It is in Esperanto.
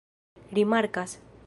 rimarkas